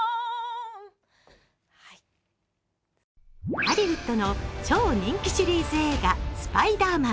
ハリウッドの超人気シリーズ映画「スパイダーマン」。